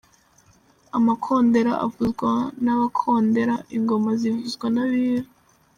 Amakondera avuzwa n’Abakondera, Ingoma zikavuzwa n’Abiru.